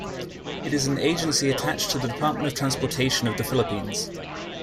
It is an agency attached to the Department of Transportation of the Philippines.